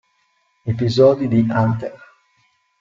Episodi di Hunter